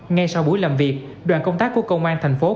ngay sau buổi làm việc đoàn công tác của công an tp hcm